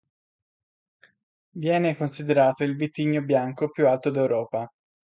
Viene considerato il vitigno bianco più alto d'Europa.